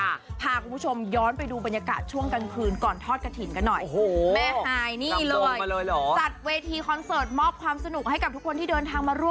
ค่ะพาคุณผู้ชมย้อนไปดูบรรยากาศช่วงกลางคืนก่อนทอดกะถิ่นกันหน่อย